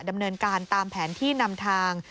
ดำเนินการตามแผนที่นำทาง